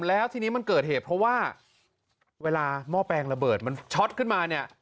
แล้วทีนี้มันเกิดเหตุเพราะว่าเวลาหม้อแปลงระเบิดมันช็อตขึ้นมาเนี่ย